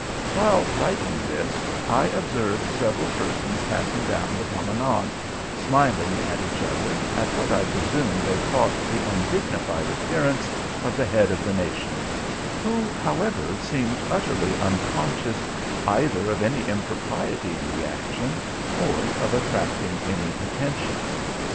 While writing this, I observed several persons passing down the promenade, smiling at each other, at what I presume they thought the undignified appearance of the Head of the Nation, who, however, seemed utterly unconscious, either of any impropriety in the action, or of attracting any attention.